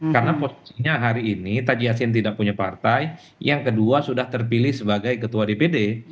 karena posisinya hari ini taji yasin tidak punya partai yang kedua sudah terpilih sebagai ketua dpd